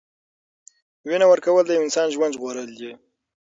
وینه ورکول د یو انسان ژوند ژغورل دي.